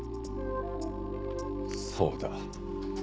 そうだ。